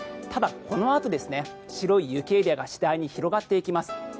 ただ、このあと白い雪エリアが次第に広がっていきます。